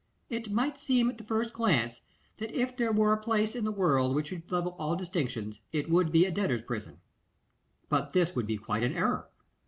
It might seem at the first glance, that if there were a place in the world which should level all distinctions, it would be a debtors' prison. But this would be quite an error.